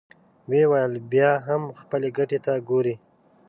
ويې ويل: بيا هم خپلې ګټې ته ګورې!